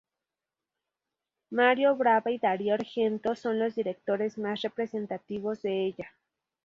Mario Bava y Dario Argento son los directores más representativos de ella.